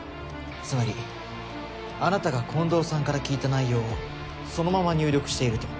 つまりあなたが近藤さんから聞いた内容をそのまま入力していると。